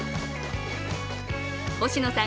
星野さん